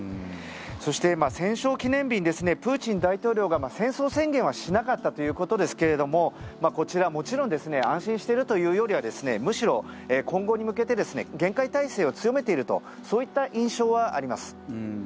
そして、戦勝記念日にプーチン大統領が戦争宣言はしなかったということですけれどもこちら、もちろん安心しているというよりはむしろ、今後に向けて厳戒態勢を強めているとそういった印象はあります。